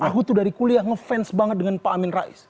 aku tuh dari kuliah ngefans banget dengan pak amin rais